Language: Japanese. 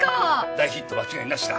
大ヒット間違いなしだ。